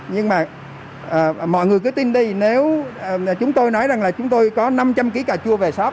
nhưng mà mọi người cứ tin đi nếu chúng tôi nói rằng là chúng tôi có năm trăm linh ký cà chua về shop